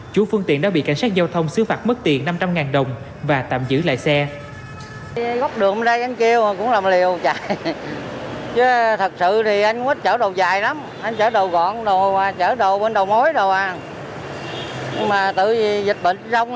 chủ phương tiện đã bị cảnh sát giao thông xứ phạt mất tiền năm trăm linh đồng và tạm giữ lại xe